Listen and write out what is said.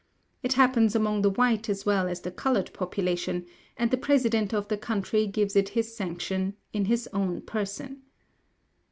It happens among the white as well as the coloured population; and the president of the country gives it his sanction, in his own person.